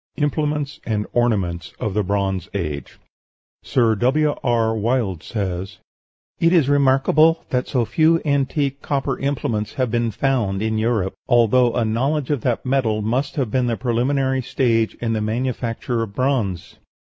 IMPLEMENTS AND ORNAMENTS OF THE BRONZE AGE Sir W. R. Wilde says, "It is remarkable that so few antique copper implements have been found (in Europe), although a knowledge of that metal must have been the preliminary stage in the manufacture of bronze."